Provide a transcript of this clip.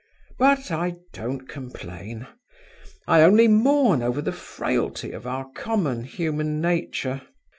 But I don't complain; I only mourn over the frailty of our common human nature.